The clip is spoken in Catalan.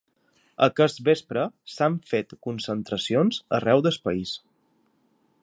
Aquest vespre s’han fet concentracions arreu del país.